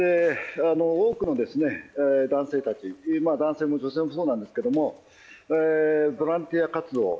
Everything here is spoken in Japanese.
多くの男性たち男性も女性もそうなんですけどボランティア活動。